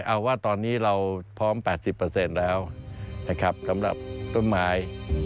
เอาว่าตอนนี้เราพร้อม๘๐แล้วนะครับสำหรับต้นไม้